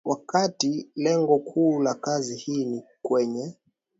Wakati lengo kuu la kazi hii ni kwenye